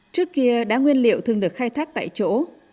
trước kia đá nguyên liệu thường được khai thác tại chỗ